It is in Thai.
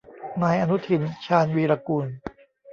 นายอนุทิน ชาญวีรกูล